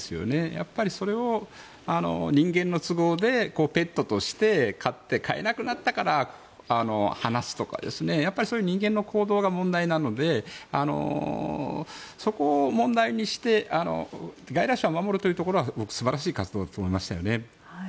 やっぱりそれを人間の都合でペットとして飼って飼えなくなったから放すとかそういう人間の行動が問題なのでそこを問題にして外来種を守るということは素晴らしい活動と思いましたよね。